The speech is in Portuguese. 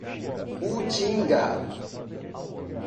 Utinga